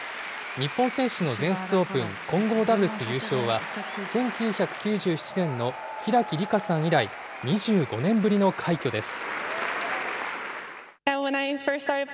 日本選手の全仏オープン混合ダブルス優勝は、１９９７年の平木理化さん以来、２５年ぶりの快挙です。